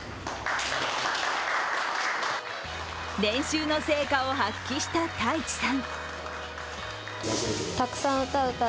練習の成果を発揮した太智さん。